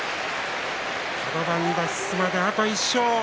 カド番脱出まであと１勝。